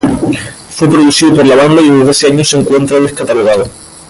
Fue producido por la banda y desde hace años se encuentra descatalogado.